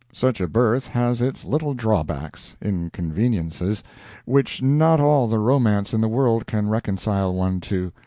Such a berth has its little drawbacks—in conveniences—which not all the romance in the world can reconcile one to.